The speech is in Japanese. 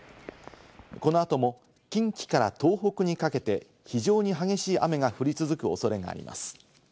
この後も、近畿から東北にかけて非常に激しい雨が降り続く恐れがあります。